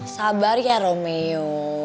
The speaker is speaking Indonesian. sabar ya romeo